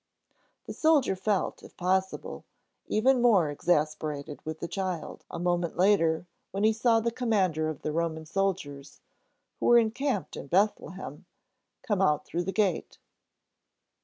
The soldier felt, if possible, even more exasperated with the child a moment later, when he saw the commander of the Roman soldiers, who were encamped in Bethlehem, come out through the gate.